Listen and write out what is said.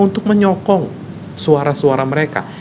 untuk menyokong suara suara mereka